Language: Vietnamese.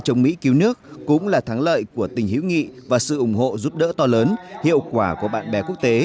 chống mỹ cứu nước cũng là thắng lợi của tình hữu nghị và sự ủng hộ giúp đỡ to lớn hiệu quả của bạn bè quốc tế